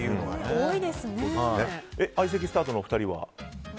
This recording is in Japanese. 相席スタートのお二人は？